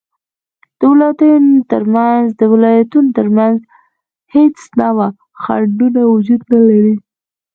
د ولایتونو تر منځ هیڅ نوعه خنډونه وجود نلري